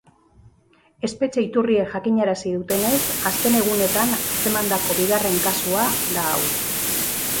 Espetxe iturriek jakinarazi dutenez, azken egunetan atzemandako bigarren kasua da hau.